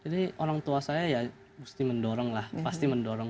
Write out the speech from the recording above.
jadi orang tua saya ya mesti mendorong lah pasti mendorong